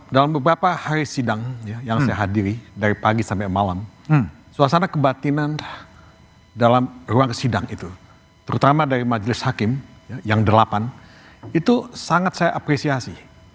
dalam beberapa hari sidang yang saya hadiri dari pagi sampai malam suasana kebatinan dalam ruang sidang itu terutama dari majelis hakim yang delapan itu sangat saya apresiasi